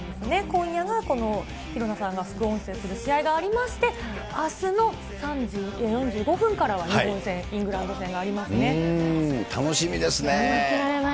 今夜がこのひろなさんが副音声する試合がありまして、あすの３時４５分からは日本戦、イング楽しみですね。